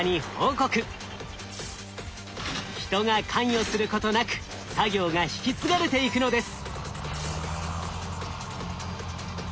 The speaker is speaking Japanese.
人が関与することなく作業が引き継がれていくのです。